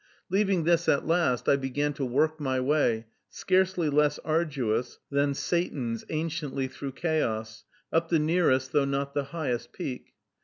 Leaving this at last, I began to work my way, scarcely less arduous than Satan's anciently through Chaos, up the nearest though not the highest peak.